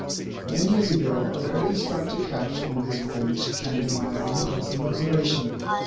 Many years ago a very instructive fact on this point came under my own personal observation.